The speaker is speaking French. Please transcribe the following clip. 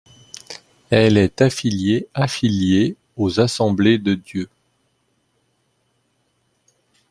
Elle est affiliée affiliée aux Assemblées de Dieu.